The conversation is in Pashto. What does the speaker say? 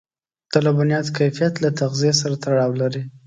د لبنیاتو کیفیت له تغذيې سره تړاو لري.